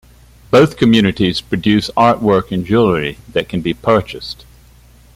Both communities produce artwork and jewellery that can be purchased.